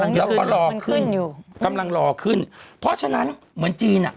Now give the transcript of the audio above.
มันขึ้นอยู่มันขึ้นอยู่กำลังรอขึ้นเพราะฉะนั้นเหมือนจีน